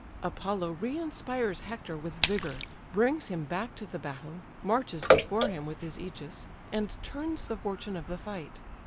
Apollo reinspires Hector with vigour, brings him back to the battle, marches before him with his ægis, and turns the fortune of the fight.